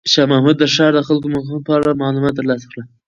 شاه محمود د ښار د خلکو د مقاومت په اړه معلومات ترلاسه کړل.